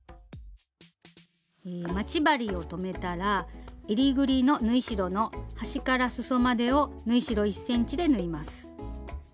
待ち針を留めたらえりぐりの縫い代の端からすそまでを縫い代１ｃｍで縫います。